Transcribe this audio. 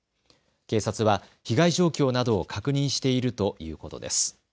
警察は被害状況などを確認しているということです。